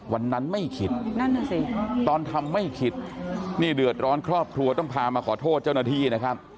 วันนั้นไม่คิดนั่นน่ะสิตอนทำไม่คิดนี่เดือดร้อนครอบครัวต้องพามาขอโทษเจ้าหน้าที่นะครับ